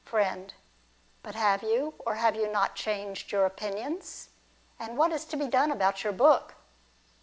Friend. But have you, or have you not, changed your opinions ? And what is to be done about your book